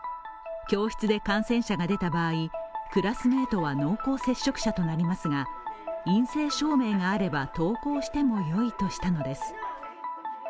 教室で感染者が出た場合クラスメートは濃厚接触者となりますが陰性証明があれば登校してもよいとしたのです。